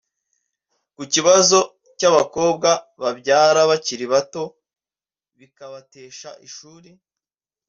ku kibazo cy’abakobwa babyara bakiri bato bikabatesha ishuri